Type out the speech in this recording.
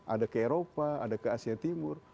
ada ke eropa ada ke asia timur